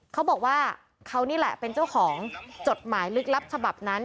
เขาบอกว่าเขานี่แหละเป็นเจ้าของจดหมายลึกลับฉบับนั้น